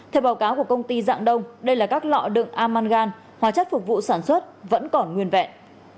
theo báo cáo của công ty dạng đông đây là các lọ đựng amangan hóa chất phục vụ sản xuất vẫn còn nguyên vẹn